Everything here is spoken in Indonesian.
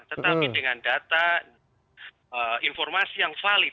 tetapi dengan data informasi yang valid